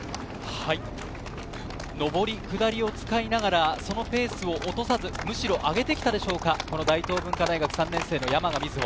上り下りを使いながらそのペースを落とさず、むしろ上げてきたでしょうか、３年生の山賀瑞穂。